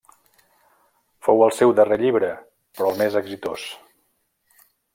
Fou el seu darrer llibre, però el més exitós.